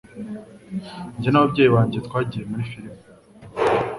Jye n'ababyeyi banjye twagiye muri firime